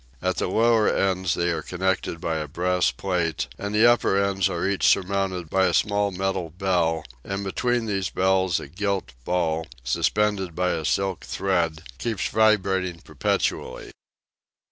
At the lower ends they are connected by a brass plate, and the upper ends are each surmounted by a small metal bell and between these bells a gilt ball, suspended by a silk thread, keeps vibrating PERPETUAL MOTION 4! perpetually.